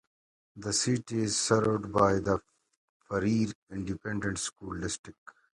The city is served by the Freer Independent School District.